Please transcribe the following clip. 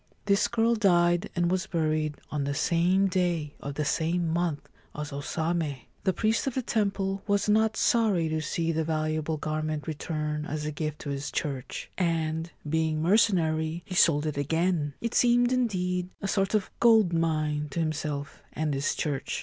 (This girl died and was buried on the same day of the same month as O Same.) The priest of the temple was not sorry to see the valuable garment return as a gift to his church, and, 85 Ancient Tales and Folklore of Japan being mercenary, he sold it again. It seemed, indeed, a sort of gold mine to himself and his church.